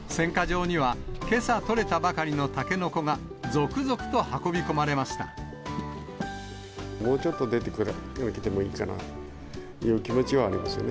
せんか場にはけさ取れたばかりのタケノコが続々と運び込まれもうちょっと出てくれてもいいかなという気持ちもありますよね。